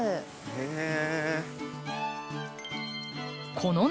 へえ。